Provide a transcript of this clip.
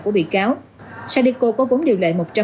của bị cáo sadeco có vốn điều lệ